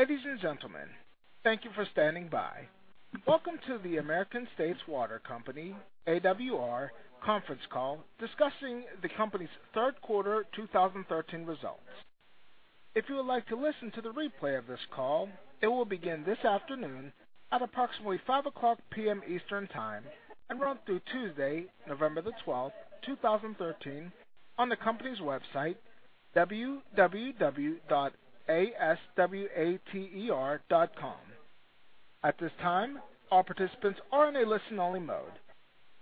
Ladies and gentlemen, thank you for standing by. Welcome to the American States Water Company, AWR, conference call discussing the company's third quarter 2013 results. If you would like to listen to the replay of this call, it will begin this afternoon at approximately 5:00 P.M. Eastern Time and run through Tuesday, November the 12th, 2013, on the company's website, www.aswater.com. At this time, all participants are in a listen-only mode.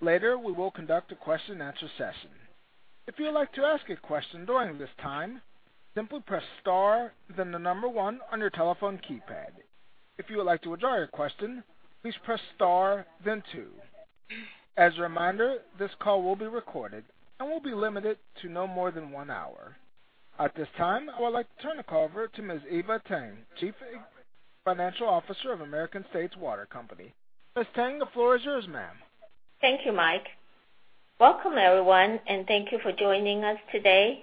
Later, we will conduct a question and answer session. If you would like to ask a question during this time, simply press star then the number one on your telephone keypad. If you would like to withdraw your question, please press star then two. As a reminder, this call will be recorded and will be limited to no more than one hour. At this time, I would like to turn the call over to Ms. Eva Tang, Chief Financial Officer of American States Water Company. Ms. Tang, the floor is yours, ma'am. Thank you, Mike. Welcome everyone, and thank you for joining us today.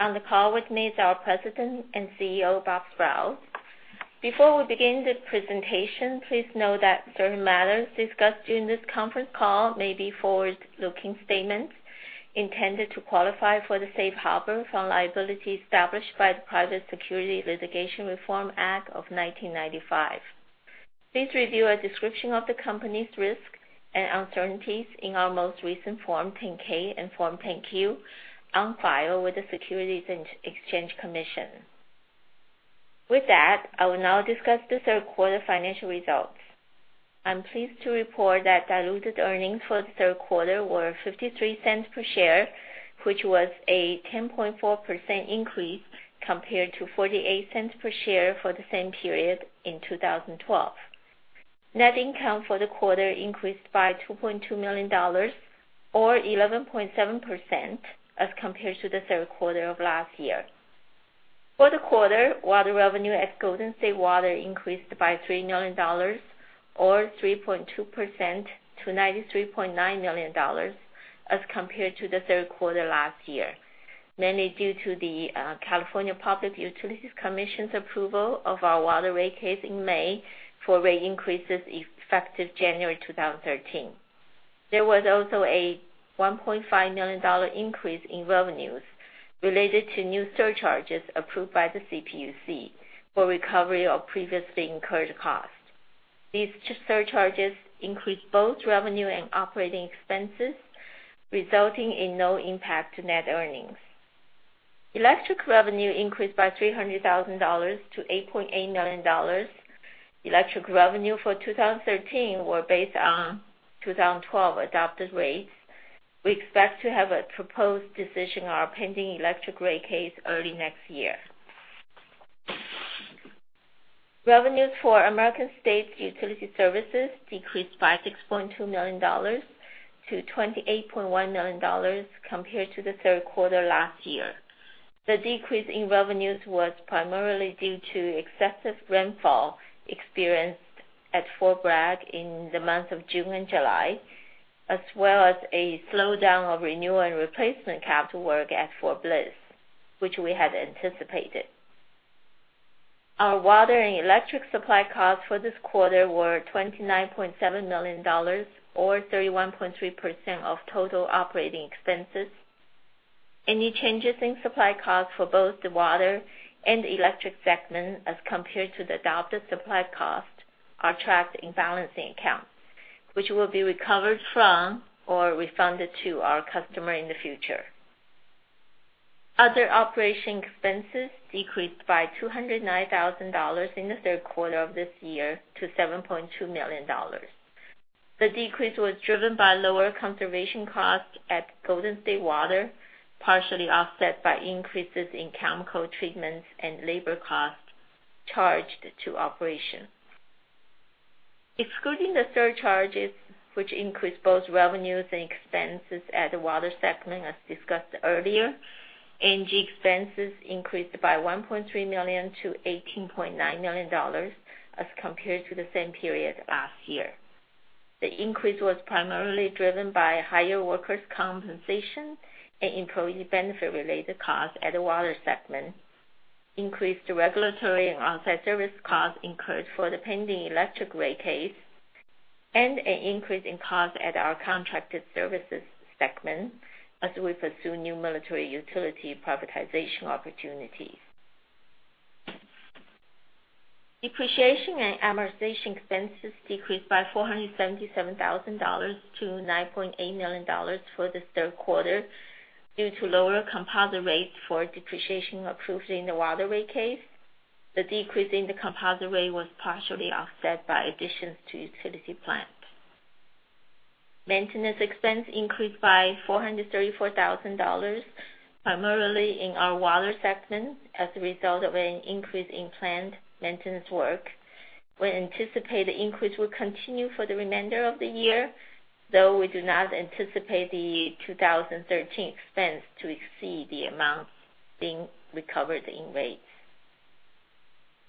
On the call with me is our President and CEO, Bob Sprowls. Before we begin the presentation, please know that certain matters discussed during this conference call may be forward-looking statements intended to qualify for the safe harbor from liabilities established by the Private Securities Litigation Reform Act of 1995. Please review a description of the company's risks and uncertainties in our most recent Form 10-K and Form 10-Q on file with the Securities and Exchange Commission. With that, I will now discuss the third quarter financial results. I'm pleased to report that diluted earnings for the third quarter were $0.53 per share, which was a 10.4% increase compared to $0.48 per share for the same period in 2012. Net income for the quarter increased by $2.2 million, or 11.7%, as compared to the third quarter of last year. For the quarter, water revenue at Golden State Water increased by $3 million, or 3.2%, to $93.9 million as compared to the third quarter last year, mainly due to the California Public Utilities Commission's approval of our Water Rate Case in May for rate increases effective January 2013. There was also a $1.5 million increase in revenues related to new surcharges approved by the CPUC for recovery of previously incurred costs. These surcharges increased both revenue and operating expenses, resulting in no impact to net earnings. Electric revenue increased by $300,000 to $8.8 million. Electric revenue for 2013 were based on 2012 adopted rates. We expect to have a proposed decision on our pending electric rate case early next year. Revenues for American States Utility Services decreased by $6.2 million to $28.1 million compared to the third quarter last year. The decrease in revenues was primarily due to excessive rainfall experienced at Fort Bragg in the months of June and July, as well as a slowdown of renewal and replacement capital work at Fort Bliss, which we had anticipated. Our water and electric supply costs for this quarter were $29.7 million, or 31.3% of total operating expenses. Any changes in supply costs for both the water and electric segment as compared to the adopted supply cost are tracked in balancing accounts, which will be recovered from or refunded to our customer in the future. Other operation expenses decreased by $209,000 in the third quarter of this year to $7.2 million. The decrease was driven by lower conservation costs at Golden State Water, partially offset by increases in chemical treatments and labor costs charged to operation. Excluding the surcharges, which increased both revenues and expenses at the water segment as discussed earlier, A&G expenses increased by $1.3 million to $18.9 million as compared to the same period last year. The increase was primarily driven by higher workers' compensation and employee benefit-related costs at the water segment, increased regulatory and outside service costs incurred for the pending electric rate case, and an increase in costs at our contracted services segment as we pursue new military utility privatization opportunities. Depreciation and amortization expenses decreased by $477,000 to $9.8 million for this third quarter due to lower composite rates for depreciation approved in the water rate case. The decrease in the composite rate was partially offset by additions to utility plant. Maintenance expense increased by $434,000, primarily in our water segment as a result of an increase in planned maintenance work. We anticipate the increase will continue for the remainder of the year, though we do not anticipate the 2013 expense to exceed the amount being recovered in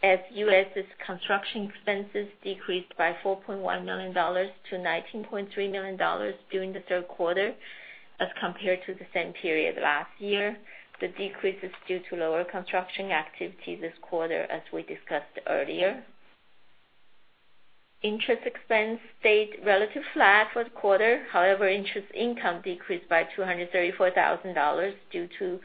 rates. ASUS construction expenses decreased by $4.1 million to $19.3 million during the third quarter as compared to the same period last year. The decrease is due to lower construction activity this quarter, as we discussed earlier. Interest expense stayed relatively flat for the quarter. Interest income decreased by $234,000 due to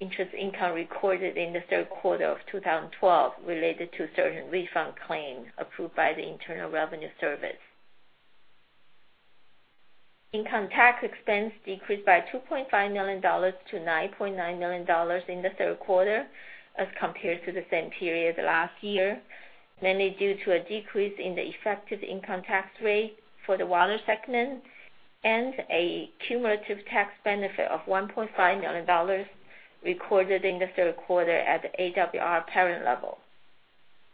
interest income recorded in the third quarter of 2012 related to certain refund claims approved by the Internal Revenue Service. Income tax expense decreased by $2.5 million to $9.9 million in the third quarter as compared to the same period last year, mainly due to a decrease in the effective income tax rate for the water segment and a cumulative tax benefit of $1.5 million recorded in the third quarter at AWR parent level.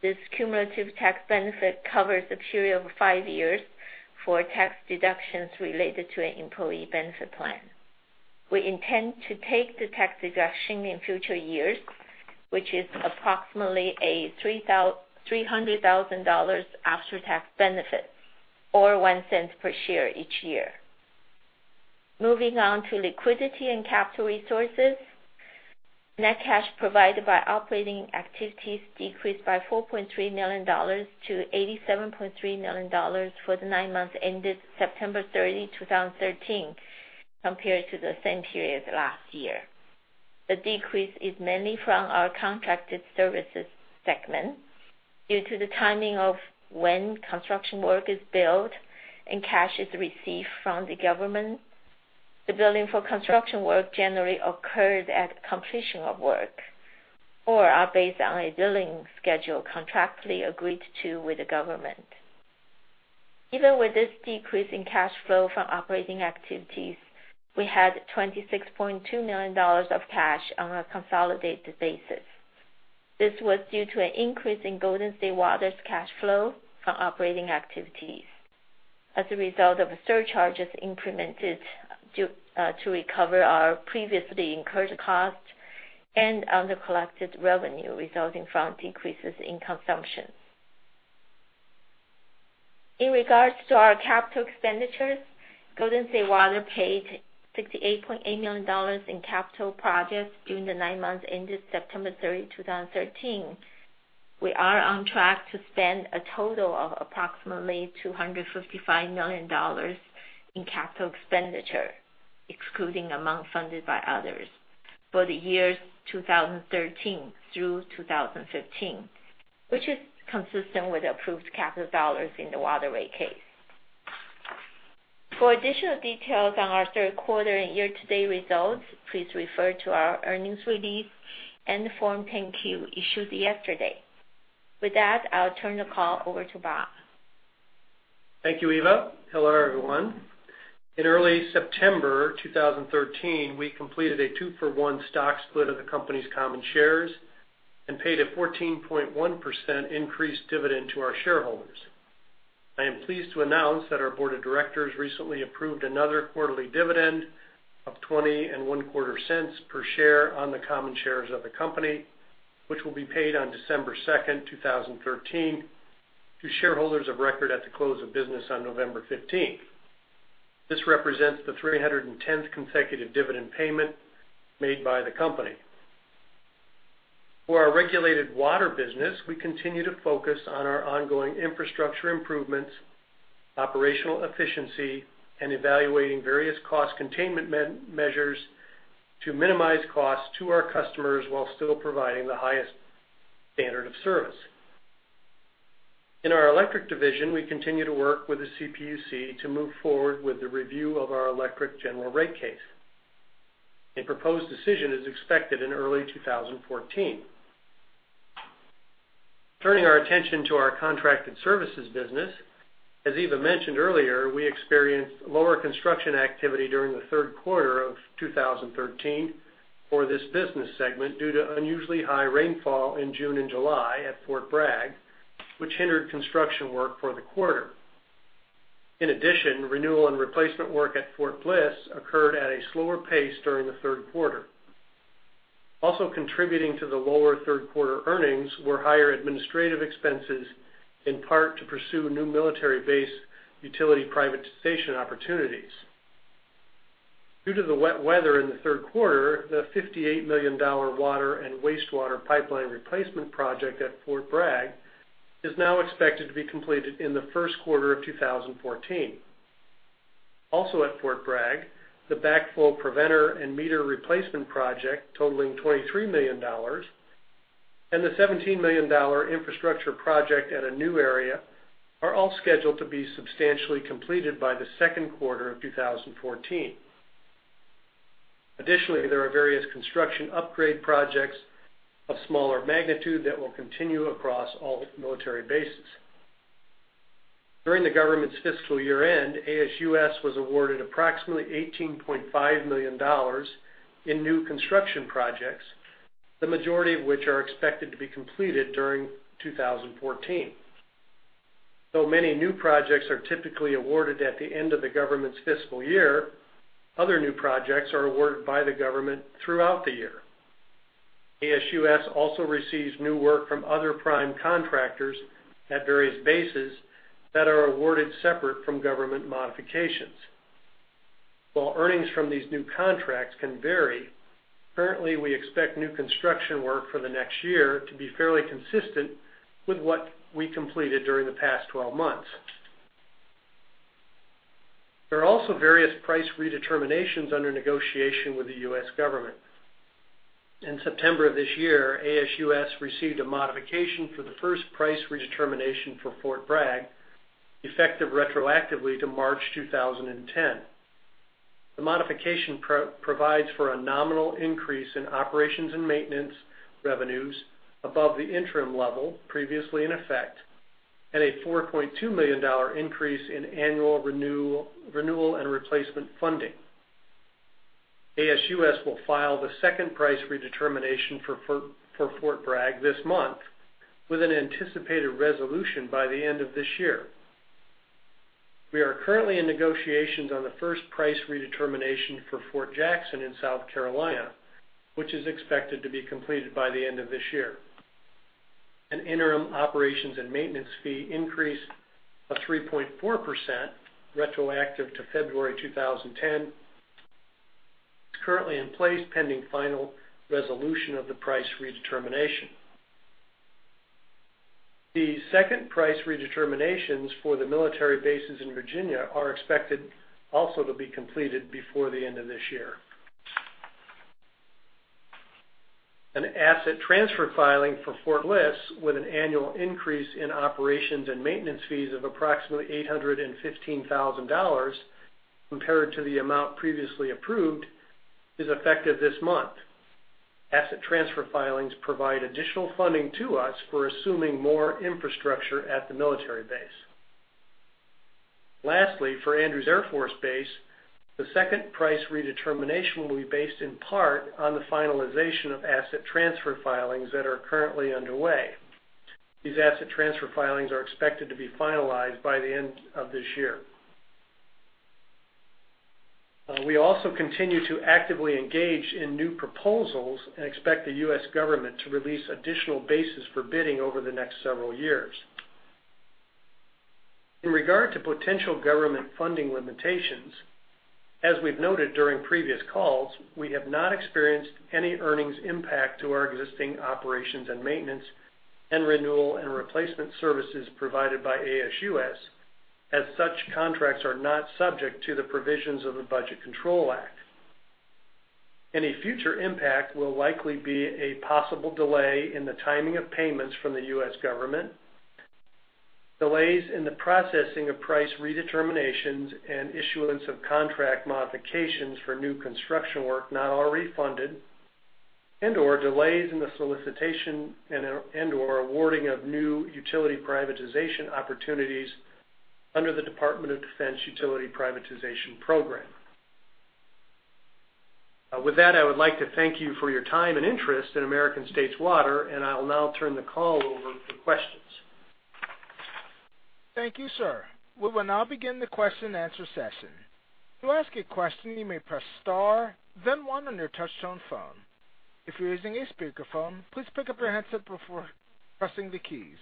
This cumulative tax benefit covers a period of five years for tax deductions related to an employee benefit plan. We intend to take the tax deduction in future years, which is approximately a $300,000 after-tax benefit or $0.01 per share each year. Moving on to liquidity and capital resources. Net cash provided by operating activities decreased by $4.3 million to $87.3 million for the nine months ended September 30, 2013, compared to the same period last year. The decrease is mainly from our contracted services segment due to the timing of when construction work is billed and cash is received from the government. The billing for construction work generally occurs at completion of work or are based on a billing schedule contractually agreed to with the government. Even with this decrease in cash flow from operating activities, we had $26.2 million of cash on a consolidated basis. This was due to an increase in Golden State Water's cash flow from operating activities as a result of surcharges implemented to recover our previously incurred costs and under-collected revenue resulting from decreases in consumption. In regards to our capital expenditures, Golden State Water paid $68.8 million in capital projects during the nine months ended September 30, 2013. We are on track to spend a total of approximately $255 million in capital expenditure, excluding amounts funded by others, for the years 2013 through 2015, which is consistent with approved capital dollars in the Water Rate Case. For additional details on our third quarter and year-to-date results, please refer to our earnings release and Form 10-Q issued yesterday. With that, I'll turn the call over to Rob. Thank you, Eva. Hello, everyone. In early September 2013, we completed a two-for-one stock split of the company's common shares and paid a 14.1% increased dividend to our shareholders. I am pleased to announce that our board of directors recently approved another quarterly dividend of $0.2025 per share on the common shares of the company, which will be paid on December 2nd, 2013, to shareholders of record at the close of business on November 15th. This represents the 310th consecutive dividend payment made by the company. For our regulated water business, we continue to focus on our ongoing infrastructure improvements, operational efficiency, and evaluating various cost containment measures to minimize costs to our customers while still providing the highest standard of service. In our electric division, we continue to work with the CPUC to move forward with the review of our electric general rate case. A proposed decision is expected in early 2014. Turning our attention to our contracted services business. As Eva mentioned earlier, we experienced lower construction activity during the third quarter of 2013 for this business segment due to unusually high rainfall in June and July at Fort Bragg, which hindered construction work for the quarter. In addition, renewal and replacement work at Fort Bliss occurred at a slower pace during the third quarter. Also contributing to the lower third quarter earnings were higher administrative expenses, in part to pursue new military base utility privatization opportunities. Due to the wet weather in the third quarter, the $58 million water and wastewater pipeline replacement project at Fort Bragg is now expected to be completed in the first quarter of 2014. At Fort Bragg, the backflow preventer and meter replacement project totaling $23 million and the $17 million infrastructure project at a new area are all scheduled to be substantially completed by the second quarter of 2014. Additionally, there are various construction upgrade projects of smaller magnitude that will continue across all military bases. During the government's fiscal year-end, ASUS was awarded approximately $18.5 million in new construction projects, the majority of which are expected to be completed during 2014. Many new projects are typically awarded at the end of the government's fiscal year, other new projects are awarded by the government throughout the year. ASUS also receives new work from other prime contractors at various bases that are awarded separate from government modifications. Earnings from these new contracts can vary, currently we expect new construction work for the next year to be fairly consistent with what we completed during the past 12 months. There are also various price redeterminations under negotiation with the U.S. government. In September of this year, ASUS received a modification for the first price redetermination for Fort Bragg, effective retroactively to March 2010. The modification provides for a nominal increase in operations and maintenance revenues above the interim level previously in effect, and a $4.2 million increase in annual renewal and replacement funding. ASUS will file the second price redetermination for Fort Bragg this month, with an anticipated resolution by the end of this year. We are currently in negotiations on the first price redetermination for Fort Jackson in South Carolina, which is expected to be completed by the end of this year. An interim operations and maintenance fee increase of 3.4% retroactive to February 2010 is currently in place pending final resolution of the price redetermination. The second price redeterminations for the military bases in Virginia are expected also to be completed before the end of this year. An asset transfer filing for Fort Bliss with an annual increase in operations and maintenance fees of approximately $815,000 compared to the amount previously approved, is effective this month. Asset transfer filings provide additional funding to us for assuming more infrastructure at the military base. Lastly, for Andrews Air Force Base, the second price redetermination will be based in part on the finalization of asset transfer filings that are currently underway. These asset transfer filings are expected to be finalized by the end of this year. We also continue to actively engage in new proposals and expect the U.S. government to release additional bases for bidding over the next several years. In regard to potential government funding limitations, as we've noted during previous calls, we have not experienced any earnings impact to our existing operations and maintenance and renewal and replacement services provided by ASUS, as such contracts are not subject to the provisions of the Budget Control Act. Any future impact will likely be a possible delay in the timing of payments from the U.S. government, delays in the processing of price redeterminations and issuance of contract modifications for new construction work not already funded, and/or delays in the solicitation and/or awarding of new utility privatization opportunities under the Department of Defense Utility Privatization Program. With that, I would like to thank you for your time and interest in American States Water, and I will now turn the call over for questions. Thank you, sir. We will now begin the question and answer session. To ask a question, you may press star then one on your touch-tone phone. If you're using a speakerphone, please pick up your handset before pressing the keys.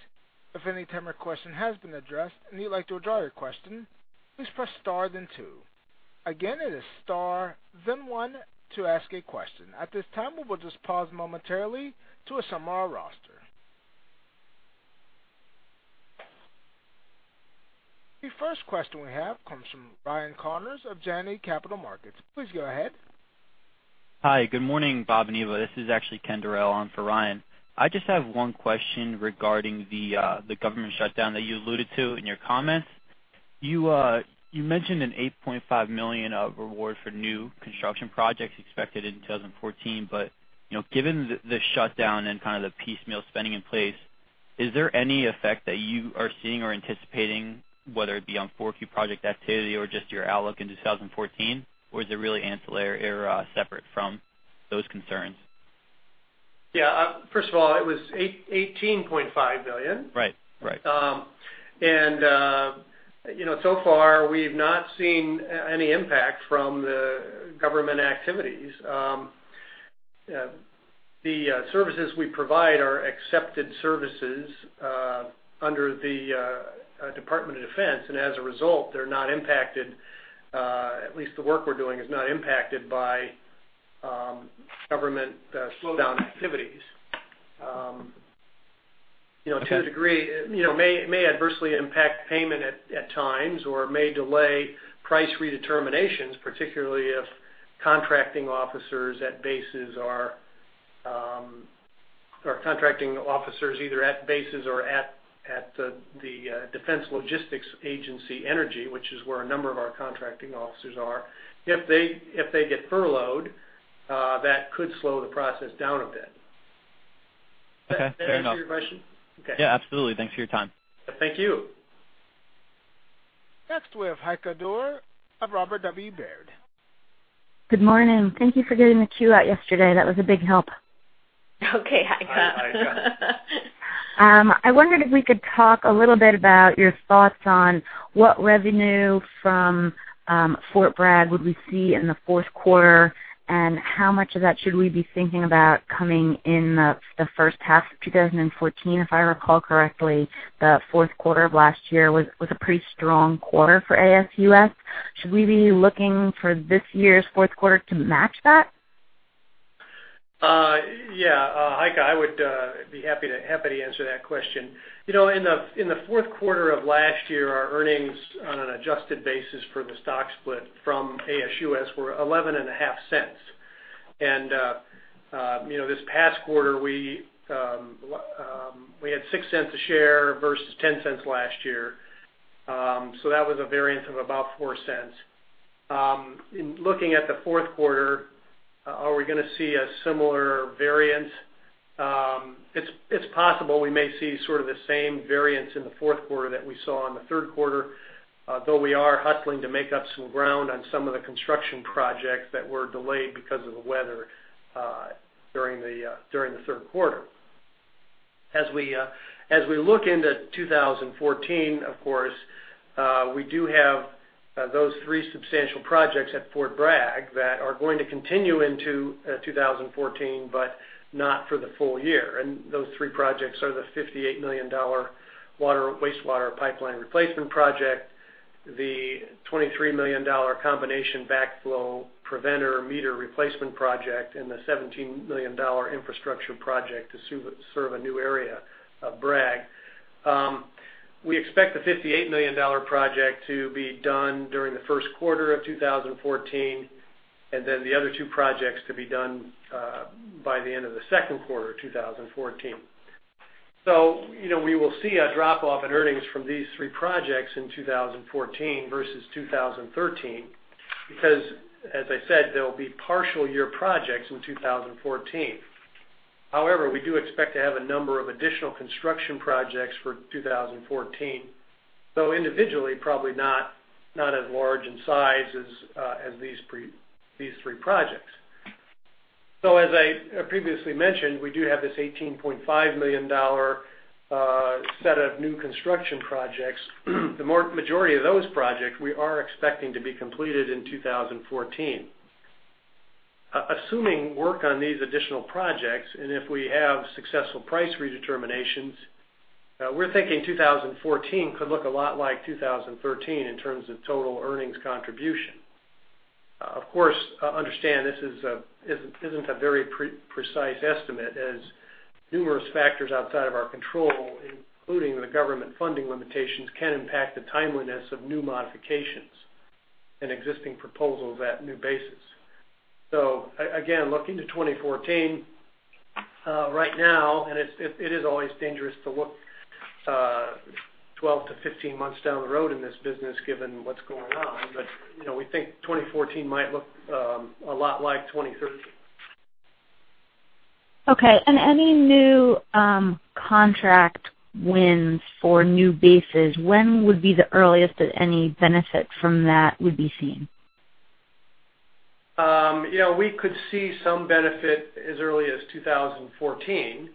If at any time your question has been addressed and you'd like to withdraw your question, please press star then two. Again, it is star then one to ask a question. At this time, we will just pause momentarily to assemble our roster. The first question we have comes from Ryan Connors of Janney Montgomery Scott. Please go ahead. Hi, good morning, Bob and Eva. This is actually Kenneth Dorell on for Ryan. I just have one question regarding the government shutdown that you alluded to in your comments. You mentioned an $8.5 million award for new construction projects expected in 2014. Given the shutdown and the piecemeal spending in place, is there any effect that you are seeing or anticipating, whether it be on 4Q project activity or just your outlook into 2014? Is it really ancillary or separate from those concerns? Yeah. First of all, it was $18.5 million. Right. So far, we've not seen any impact from the government activities. The services we provide are accepted services under the Department of Defense. As a result, they're not impacted, at least the work we're doing is not impacted by government slowdown activities. Okay. To a degree, it may adversely impact payment at times or may delay price redeterminations, particularly if contracting officers either at bases or at the Defense Logistics Agency Energy, which is where a number of our contracting officers are. If they get furloughed, that could slow the process down a bit. Okay. Fair enough. Does that answer your question? Okay. Yeah, absolutely. Thanks for your time. Thank you. Next, we have Heike Doerr of Robert W. Baird. Good morning. Thank you for getting the Q out yesterday. That was a big help. Okay, Heike. Hi, Heike. I wondered if we could talk a little bit about your thoughts on what revenue from Fort Bragg would we see in the fourth quarter, and how much of that should we be thinking about coming in the first half of 2014. If I recall correctly, the fourth quarter of last year was a pretty strong quarter for ASUS. Should we be looking for this year's fourth quarter to match that? Heike, I would be happy to answer that question. In the fourth quarter of last year, our earnings on an adjusted basis for the stock split from ASUS were $0.115. This past quarter, we had $0.06 a share versus $0.10 last year. That was a variance of about $0.04. In looking at the fourth quarter, are we going to see a similar variance? It's possible we may see sort of the same variance in the fourth quarter that we saw in the third quarter, though we are hustling to make up some ground on some of the construction projects that were delayed because of the weather during the third quarter. We look into 2014, of course, we do have those three substantial projects at Fort Bragg that are going to continue into 2014, but not for the full year. Those three projects are the $58 million wastewater pipeline replacement project, the $23 million combination backflow preventer meter replacement project, and the $17 million infrastructure project to serve a new area of Bragg. We expect the $58 million project to be done during the first quarter of 2014, the other two projects to be done by the end of the second quarter of 2014. We will see a drop-off in earnings from these three projects in 2014 versus 2013 because, as I said, they'll be partial year projects in 2014. However, we do expect to have a number of additional construction projects for 2014. Individually, probably not as large in size as these three projects. As I previously mentioned, we do have this $18.5 million set of new construction projects. The majority of those projects we are expecting to be completed in 2014. Assuming work on these additional projects, and if we have successful price redeterminations, we're thinking 2014 could look a lot like 2013 in terms of total earnings contribution. Of course, understand this isn't a very precise estimate, as numerous factors outside of our control, including the government funding limitations, can impact the timeliness of new modifications and existing proposals at new bases. Again, look into 2014 right now, and it is always dangerous to look 12 to 15 months down the road in this business, given what's going on. We think 2014 might look a lot like 2013. Okay. Any new contract wins for new bases, when would be the earliest that any benefit from that would be seen? We could see some benefit as early as 2014.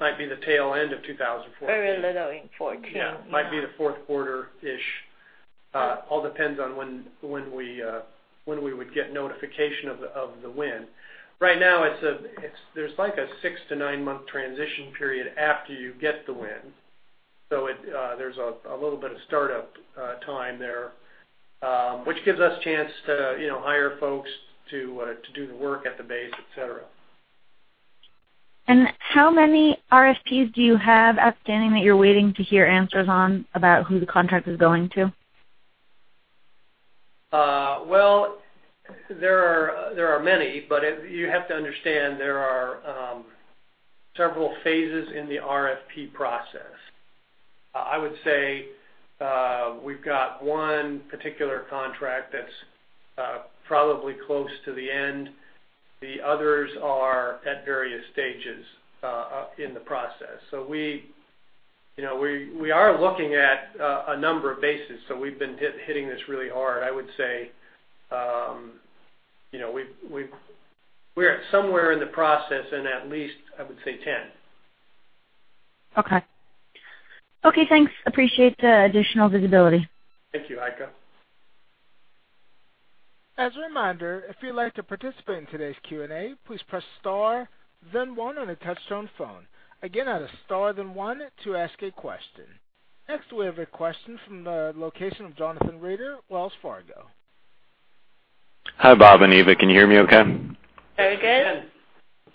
Might be the tail end of 2014. Very little in 2014. Yes. Might be the fourth quarter-ish. All depends on when we would get notification of the win. Right now, there's like a 6 to 9-month transition period after you get the win. There's a little bit of startup time there, which gives us a chance to hire folks to do the work at the base, et cetera. How many RFPs do you have outstanding that you're waiting to hear answers on about who the contract is going to? There are many, but you have to understand, there are several phases in the RFP process. I would say we've got one particular contract that's probably close to the end. The others are at various stages in the process. We are looking at a number of bases. We've been hitting this really hard. I would say we're at somewhere in the process in at least, I would say, 10. Okay, thanks. Appreciate the additional visibility. Thank you, Heike. As a reminder, if you'd like to participate in today's Q&A, please press star then one on a touchtone phone. Again, at a star then one to ask a question. Next, we have a question from the location of Jonathan Reeder, Wells Fargo. Hi, Bob and Eva. Can you hear me okay? Very good.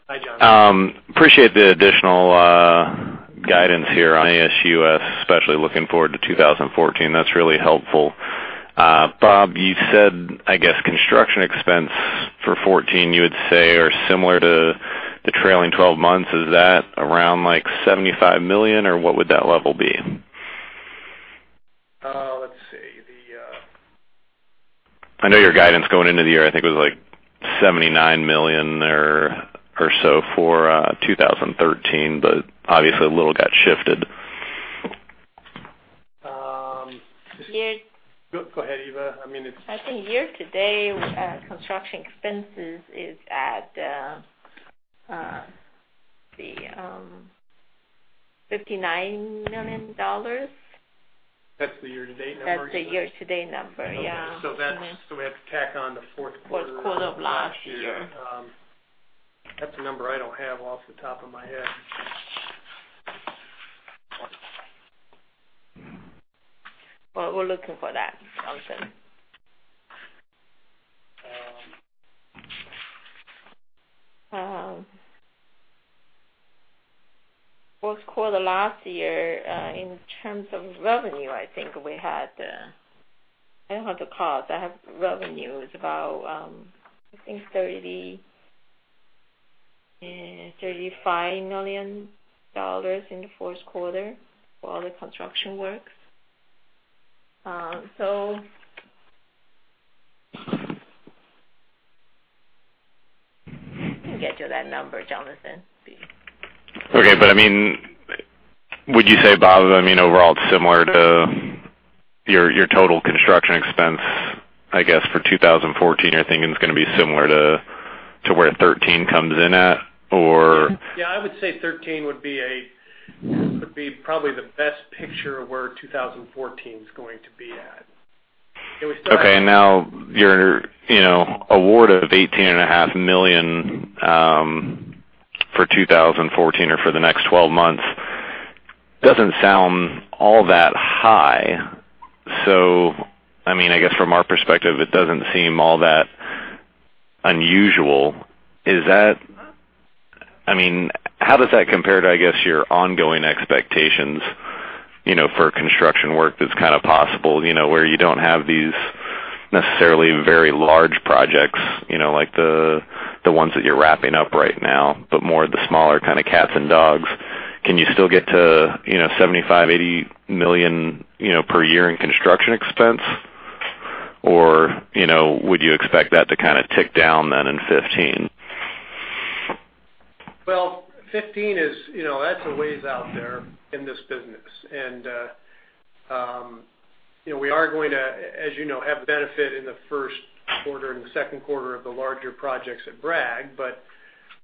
Hi, Jonathan. Appreciate the additional guidance here on ASUS, especially looking forward to 2014. That's really helpful. Bob, you said, I guess construction expense for 2014 you would say are similar to the trailing 12 months. Is that around $75 million, or what would that level be? Let's see. I know your guidance going into the year, I think it was like $79 million there or so for 2013. Obviously, a little got shifted. Year- Go ahead, Eva. I mean, it's- I think year-to-date, construction expenses is at, let's see, $59 million. That's the year-to-date number. That's the year-to-date number, yeah. Okay. We have to tack on the fourth quarter- Fourth quarter of last year of last year. That's a number I don't have off the top of my head. Well, we're looking for that, Jonathan. Fourth quarter last year, in terms of revenue, I don't have the cost. I have revenue. It's about, I think $35 million in the fourth quarter for all the construction works. I can get you that number, Jonathan. Okay. Would you say, Bob, overall it's similar to your total construction expense, I guess, for 2014, you're thinking it's going to be similar to where 2013 comes in at or? Yeah, I would say 2013 would be probably the best picture of where 2014 is going to be at. Okay, now, your award of $18.5 million for 2014 or for the next 12 months doesn't sound all that high. I guess from our perspective, it doesn't seem all that unusual. How does that compare to, I guess, your ongoing expectations, for construction work that's possible, where you don't have these necessarily very large projects, like the ones that you're wrapping up right now, but more of the smaller kind of cats and dogs? Can you still get to $75 million, $80 million per year in construction expense or would you expect that to kind of tick down then in 2015? Well, 2015, that's a ways out there in this business. We are going to, as you know, have the benefit in the first quarter and the second quarter of the larger projects at Bragg.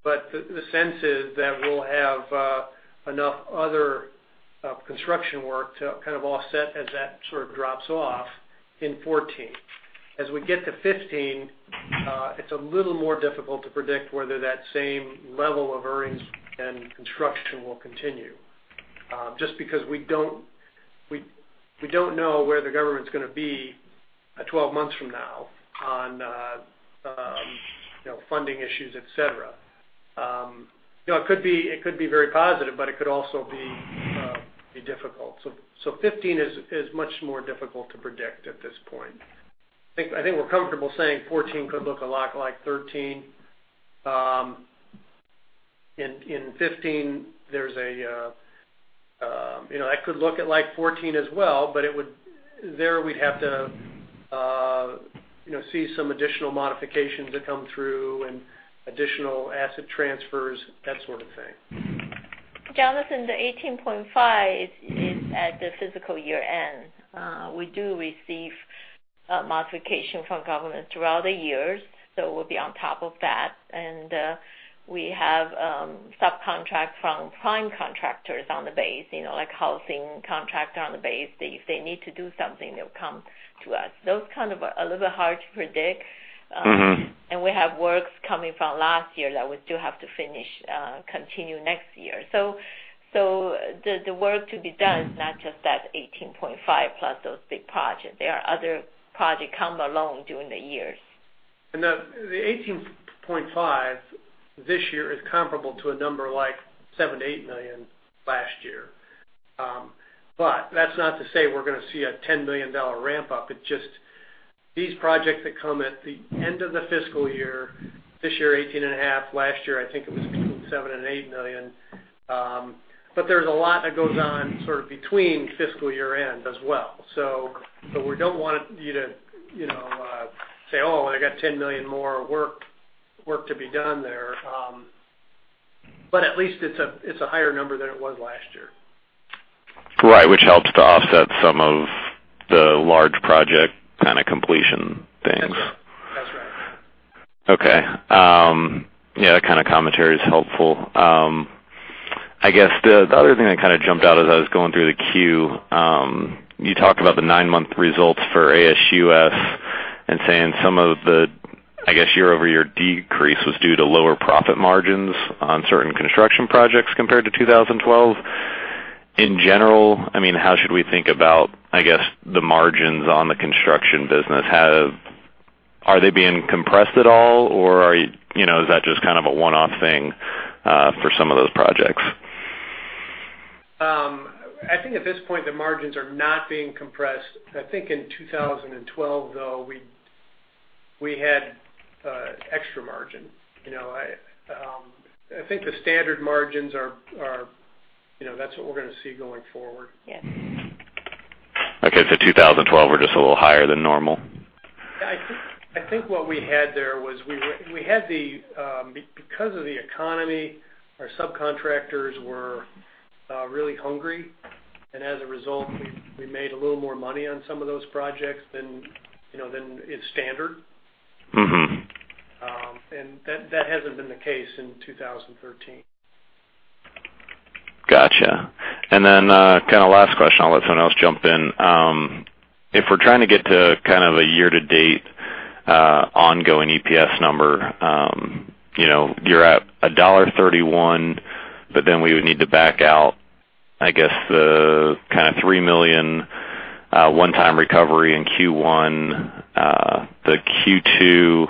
The sense is that we'll have enough other construction work to kind of offset as that sort of drops off in 2014. As we get to 2015, it's a little more difficult to predict whether that same level of earnings and construction will continue, just because we don't know where the government's going to be 12 months from now on funding issues, et cetera. It could be very positive, but it could also be difficult. 2015 is much more difficult to predict at this point. I think we're comfortable saying 2014 could look a lot like 2013. In 2015, that could look like 2014 as well, but there we'd have to see some additional modifications that come through and additional asset transfers, that sort of thing. Jonathan, the 18.5 is at the fiscal year-end. We do receive modification from government throughout the years, so we'll be on top of that. We have subcontract from prime contractors on the base, like housing contractor on the base. If they need to do something, they'll come to us. Those kind of a little hard to predict. We have works coming from last year that we still have to finish, continue next year. The work to be done is not just that 18.5 plus those big projects. There are other project come along during the years. The $18.5 this year is comparable to a number like $7 million-$8 million last year. That's not to say we're going to see a $10 million ramp up, it's just these projects that come at the end of the fiscal year, this year, 18 and a half, last year, I think it was between $7 million and $8 million. There's a lot that goes on sort of between fiscal year-end as well. We don't want you to say, "Oh, they got $10 million more work to be done there." At least it's a higher number than it was last year. Right, which helps to offset some of the large project kind of completion things. That's right. Okay. Yeah, that kind of commentary is helpful. I guess the other thing that kind of jumped out as I was going through the Form 10-Q, you talked about the nine-month results for ASUS and saying some of the, I guess, year-over-year decrease was due to lower profit margins on certain construction projects compared to 2012. In general, how should we think about, I guess, the margins on the construction business? Are they being compressed at all or is that just kind of a one-off thing for some of those projects? I think at this point, the margins are not being compressed. I think in 2012, though, we had extra margin. I think the standard margins, that's what we're going to see going forward. Yes. Okay. 2012 were just a little higher than normal? I think what we had there was, because of the economy, our subcontractors were really hungry, and as a result, we made a little more money on some of those projects than is standard. That hasn't been the case in 2013. Got you. Last question, I'll let someone else jump in. If we're trying to get to kind of a year-to-date Ongoing EPS number. You're at $1.31, we would need to back out, I guess, the $3 million one-time recovery in Q1, the Q2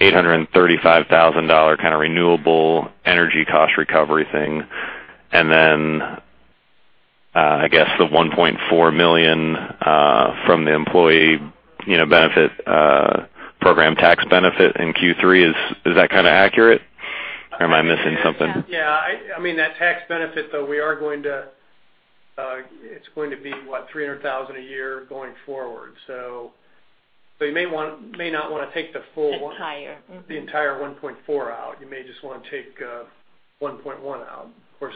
$835,000 renewable energy cost recovery thing, and, I guess the $1.4 million from the employee benefit program tax benefit in Q3. Is that accurate? Am I missing something? Yeah. That tax benefit, it's going to be, what, $300,000 a year going forward. You may not want to take the full Entire the entire $1.4 out. You may just want to take $1.1 out. Of course,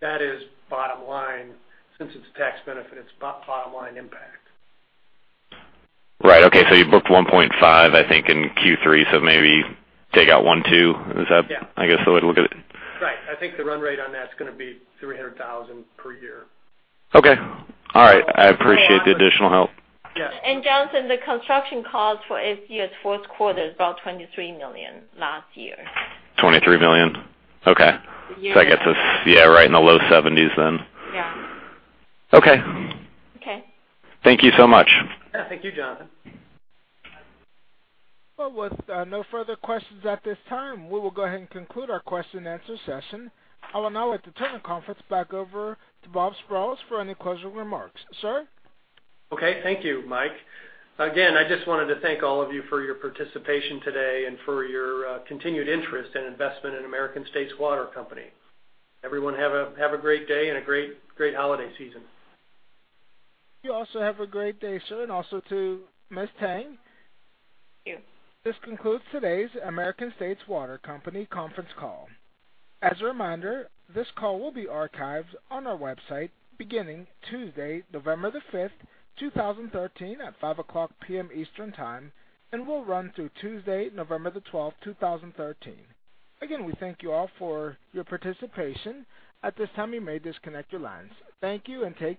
that is bottom line. Since it's a tax benefit, it's bottom-line impact. Right. Okay. You booked $1.5, I think, in Q3, maybe take out $1.2. Is that Yeah I guess the way to look at it? Right. I think the run rate on that's going to be $300,000 per year. Okay. All right. I appreciate the additional help. Jonathan, the construction cost for its fourth quarter is about $23 million last year. $23 million? Okay. A year. That gets us, yeah, right in the low 70s then. Yeah. Okay. Okay. Thank you so much. Yeah. Thank you, Jonathan. Well, with no further questions at this time, we will go ahead and conclude our question and answer session. I will now let the teleconference back over to Bob Sprowls for any closing remarks. Sir? Okay. Thank you, Mike. Again, I just wanted to thank all of you for your participation today and for your continued interest and investment in American States Water Company. Everyone, have a great day and a great holiday season. You also have a great day, sir, and also to Ms. Tang. Thank you. This concludes today's American States Water Company conference call. As a reminder, this call will be archived on our website beginning Tuesday, November the 5th, 2013, at 5:00 P.M. Eastern Time, and will run through Tuesday, November the 12th, 2013. Again, we thank you all for your participation. At this time, you may disconnect your lines. Thank you and take care.